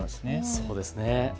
そうですね。